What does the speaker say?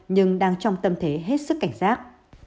nhưng đang trong tâm thế hết sức cảnh giác